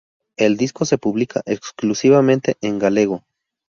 El disco se publica exclusivamente en galego.